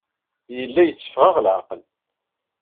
Yella yetteffeɣ-aɣ leɛqel.